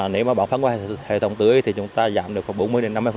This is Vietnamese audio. nếu mà bỏ phát qua hệ thống tưới thì chúng ta giảm được khoảng bốn mươi năm mươi